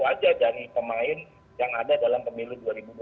aja dari pemain yang ada dalam pemilu